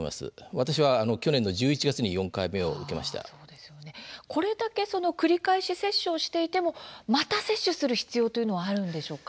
私は去年の１１月にこれだけ繰り返し接種をしていても、また接種する必要があるんでしょうか。